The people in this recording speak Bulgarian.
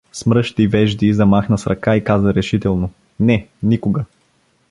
Смръщи вежди, замахна с ръка и каза решително: — Не, никога!